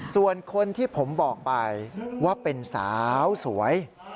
ส่วนคนที่ผมบอกไปว่าเป็นสาวสวย